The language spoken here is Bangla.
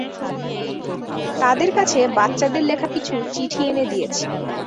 তাদের কাছে বাচ্চাদের লেখা কিছু চিঠি এনে দিয়েছি।